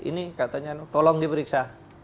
ini katanya tolong diperiksa